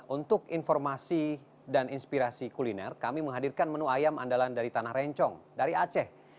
untuk informasi dan inspirasi kuliner kami menghadirkan menu ayam andalan dari tanah rencong dari aceh